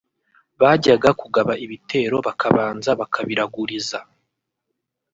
bajyaga kugaba ibitero bakabanza bakabiraguriza